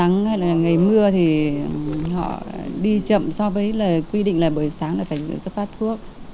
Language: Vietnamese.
ngày mưa thì họ đi chậm so với quy định là buổi sáng là phải phát thuốc